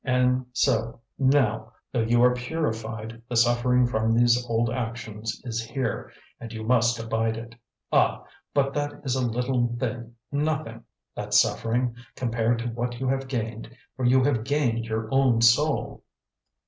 And so, now, though you are purified, the suffering from these old actions is here, and you must abide it. Ah, but that is a little thing, nothing! that suffering compared to what you have gained, for you have gained your own soul!"